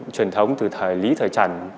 truyền thống từ lý thời trần